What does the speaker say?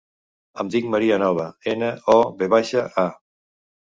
Em dic Maria Nova: ena, o, ve baixa, a.